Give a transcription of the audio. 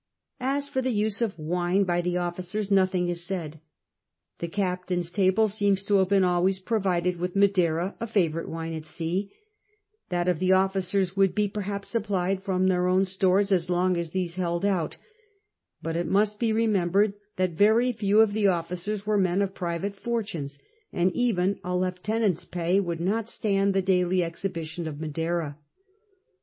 As for the use of wine by the officers, nothing is said. The captain's table seems to have been always pro vided with Madeira, a favourite wine at sea ; that of the officers would be perhaps supplied from their own stores as long as these held out ; but it must be remembered that very few of the officers were men of private fortunes, and even a lieutenant's pay would not stand the daily exhibition of Madeira.